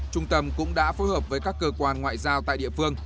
trung tâm cũng đã phối hợp với các cơ quan ngoại giao tại địa phương